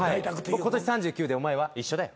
僕今年３９でお前は？一緒だよ。